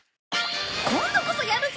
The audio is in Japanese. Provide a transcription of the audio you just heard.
今度こそやるぞ！